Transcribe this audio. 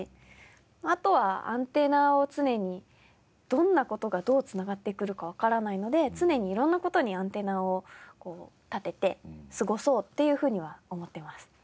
あとはアンテナを常にどんな事がどう繋がってくるかわからないので常に色んな事にアンテナを立てて過ごそうっていうふうには思ってます。